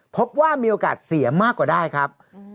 พบว่ามีโอกาสเสียมากกว่าได้ครับ